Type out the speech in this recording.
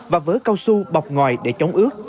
và vớ cao su bọc ngoài để chống ướt